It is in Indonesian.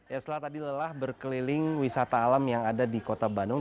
ya setelah tadi lelah berkeliling wisata alam yang ada di kota bandung